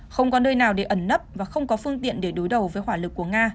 không có nơi nào để ẩn nấp và không có phương tiện để đối đầu với hỏa lực của nga